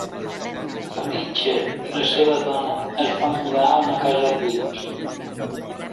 Elitcher i la seva dona es van mudar a una casa a Queens.